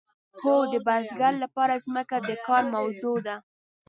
هو د بزګر لپاره ځمکه د کار موضوع ده.